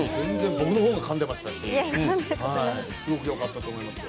僕のほうがかんでましたし、よかったと思いますよ。